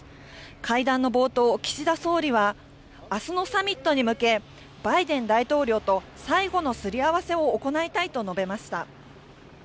会談の冒頭、岸田総理は、あすのサミットに向け、バイデン大統領と最後のすり合わせを行いたいと述べました。